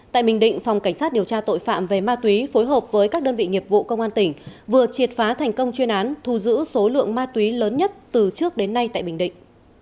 tại bình định phòng cảnh sát điều tra tội phạm về ma túy phối hợp với các đơn vị nghiệp vụ công an tỉnh vừa triệt phá thành công chuyên án thu giữ số lượng ma túy lớn nhất từ trước đến nay tại bình định